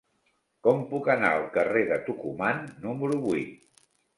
Com puc anar al carrer de Tucumán número vuit?